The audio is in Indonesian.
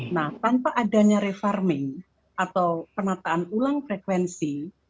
nah tanpa adanya refarming atau penataan ulang frekuensi